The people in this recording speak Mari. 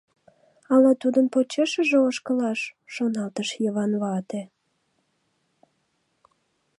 «Ала тудын почешыже ошкылаш, — шоналтыш Йыван вате.